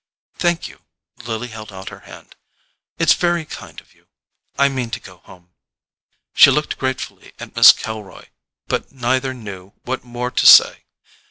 "Thank you." Lily held out her hand. "It's very kind of you—I mean to go home." She looked gratefully at Miss Kilroy, but neither knew what more to say.